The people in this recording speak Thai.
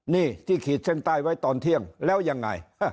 นี่ที่ขีดเส้นใต้ไว้ตอนเที่ยงแล้วยังไง